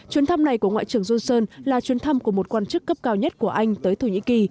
chuyến thăm này của ngoại trưởng johnson là chuyến thăm của một quan chức cấp cao nhất của anh tới thổ nhĩ kỳ